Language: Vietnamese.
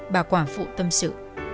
bà quả phụ tâm sự